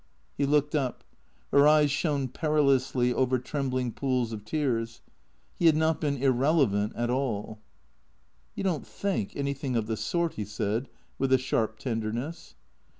He looked up. Her eyes shone perilously over trembling pools of tears. He had not been irrelevant at all. " You don't ihink anything of the sort," he said, with a sharp tenderness.